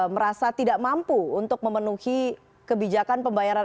merasa tidak mampu untuk memenuhi kebijakan pembayaran